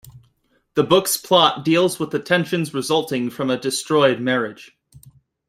The book's plot deals with the tensions resulting from a destroyed marriage.